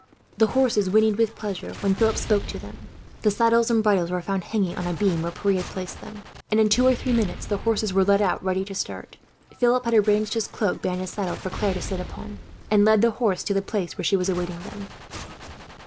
The horses whinnied with pleasure, when Philip spoke to them. The saddles and bridles were found, hanging on a beam where Pierre had placed them; and in two or three minutes the horses were led out, ready to start. Philip had arranged his cloak behind his saddle, for Claire to sit upon; and led the horse to the place where she was awaiting them.